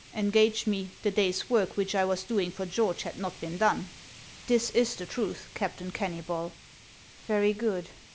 — engaged me, the day's work which I was doing for George had not been done. This is the truth, Captain Kennybol." " Very good."